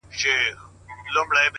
o څنگه دي هېره كړمه،